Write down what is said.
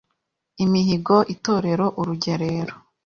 Imihigo, Itorero, Urugerero